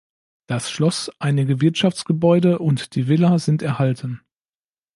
Das Schloss, einige Wirtschaftsgebäude und die Villa sind erhalten.